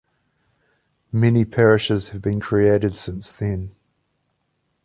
Many parishes have been created since then.